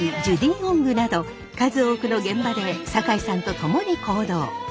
ジュディ・オングなど数多くの現場で酒井さんと共に行動。